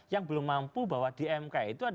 yang belum mampu bahwa di mk itu